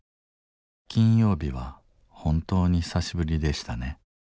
金曜日は本当に久しぶりでしたね。